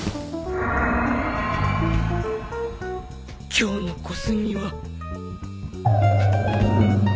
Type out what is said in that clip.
今日の小杉は。